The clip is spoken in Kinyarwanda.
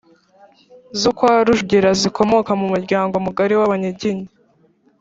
zo kwa Rujugira zikomoka mu muryango mugari w’Abanyiginya.